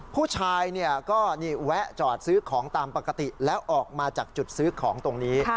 ผู้ชายก็แวะจอดซื้อของตามปกติแล้วออกมาจากจุดซื้อของตรงนี้